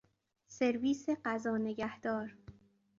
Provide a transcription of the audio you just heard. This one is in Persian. سرویس غذا نگه دار